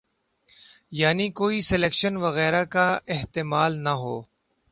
یعنی کوئی سلیکشن وغیرہ کا احتمال نہ ہو۔